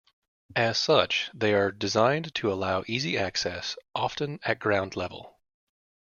As such, they are designed to allow easy access, often at ground level.